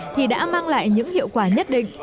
thì đã mang lại những hiệu quả nhất định